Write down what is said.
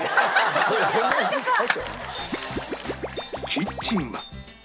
キッチンは